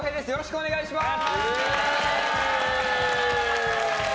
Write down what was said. お願いします！